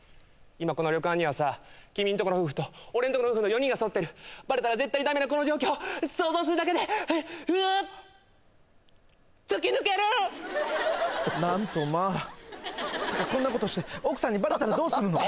今この旅館にはさ君んとこの夫婦と俺んとこの夫婦の４人がそろってるばれたら絶対にダメなこの状況想像するだけでうっていうかこんなことして奥さんにばれたらどうするの？